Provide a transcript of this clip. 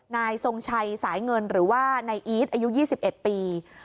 นายทรงชัยสายเงินหรือว่านายอีทอายุ๒๑ปี